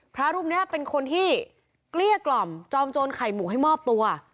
พระรูปนี้เป็นคนที่เกลี้ยกล่อมจอมโจรไข่หมูให้มอบตัว